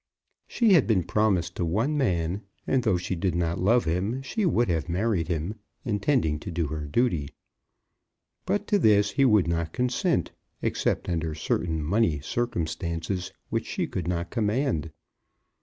She had been promised to one man, and though she did not love him she would have married him, intending to do her duty. But to this he would not consent, except under certain money circumstances which she could not command.